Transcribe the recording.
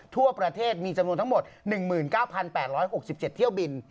ทั่วประเทศมีจำนวนทั้งหมด๑๙๘๖๗เที่ยวบิน